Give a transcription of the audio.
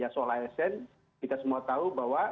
soal asn kita semua tahu bahwa